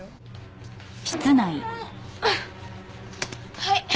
はい。